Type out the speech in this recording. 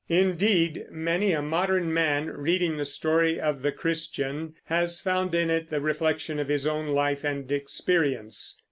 Indeed, many a modern man, reading the story of the Christian; has found in it the reflection of his own life and experience.